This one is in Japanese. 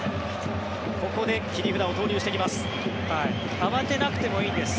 ここで切り札を投入してきます。